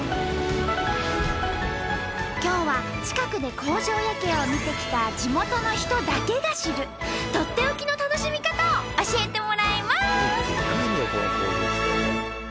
今日は近くで工場夜景を見てきた地元の人だけが知るとっておきの楽しみかたを教えてもらいます！